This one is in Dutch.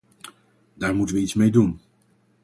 Daar moeten we iets mee doen!